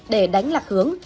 để đánh lạc hướng